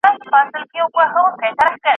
جانان ته تر منزله رسېدل خو تکل غواړي